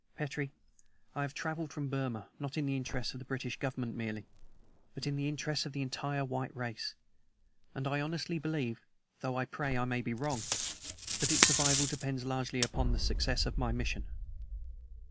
Petrie, I have traveled from Burma not in the interests of the British Government merely, but in the interests of the entire white race, and I honestly believe though I pray I may be wrong that its survival depends largely upon the success of my mission."